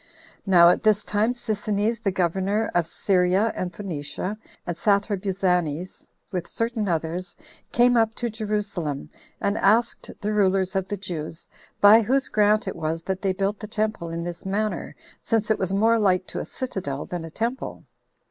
Now at this time Sisinnes, the governor of Syria and Phoenicia, and Sathrabuzanes, with certain others, came up to Jerusalem, and asked the rulers of the Jews, by whose grant it was that they built the temple in this manner, since it was more like to a citadel than a temple?